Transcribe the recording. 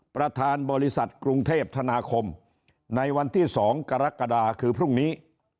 ประธานบริษัทกรุงเทพธนาคมในวันที่๒กรกฎาคือพรุ่งนี้